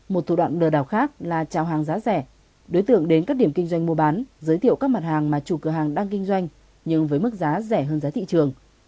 một thủ đoạn lừa đảo khác là trào hàng giá rẻ đối tượng đến các điểm kinh doanh mua bán giới thiệu các mặt hàng mà chủ cửa hàng đang kinh doanh nhưng với mức giá rẻ hơn giá thị trường